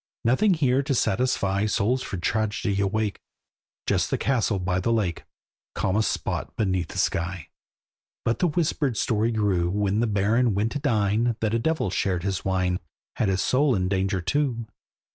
Nothing here to satisfy Souls for tragedy awake; Just the castle by the lake, Calmest spot beneath the sky. But the whispered story grew, When the Baron went to dine, That a devil shared his wine, Had his soul in danger too.